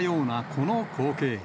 この光景。